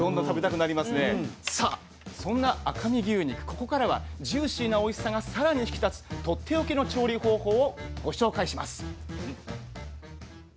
ここからはジューシーなおいしさがさらに引き立つとっておきの調理方法をご紹介します。